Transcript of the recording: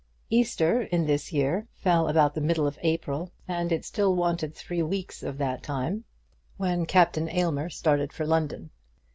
Easter in this year fell about the middle of April, and it still wanted three weeks of that time when Captain Aylmer started for London.